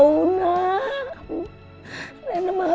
ujian juga udah pulang ya